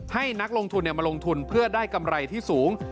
ให้นักลงทุนมาลงทุนเพื่อได้กำไรที่สูง